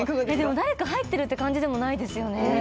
誰か入ってるって感じでもないですよね。